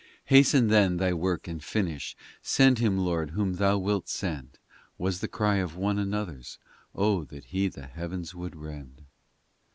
Hasten, then, Thy work, and finish ; Send Him, Lord, Whom Thou wilt send, Was the cry of one. Another s, O that He the heavens would rend